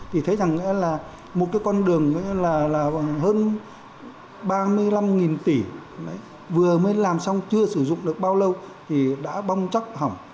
thì thấy rằng là một cái con đường là khoảng hơn ba mươi năm tỷ vừa mới làm xong chưa sử dụng được bao lâu thì đã bong chóc hỏng